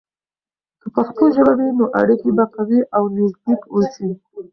که پښتو ژبه وي، نو اړیکې به قوي او نزدیک اوسي.